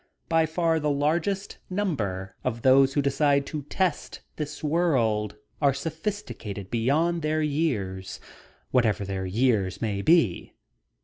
By far the largest number of those who decide to test this world are sophisticated beyond their years, whatever their years may be.